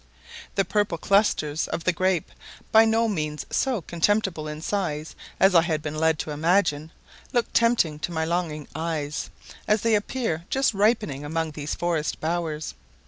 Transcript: The purple clusters of the grape, by no means so contemptible in size as I had been led to imagine, looked tempting to my longing eyes, as they appeared just ripening among these forest bowers.